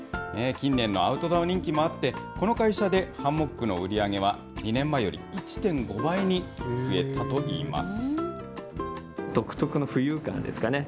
近年のアウトドア人気もあって、この会社でハンモックの売り上げは、２年前より１．５倍に増えたといいます。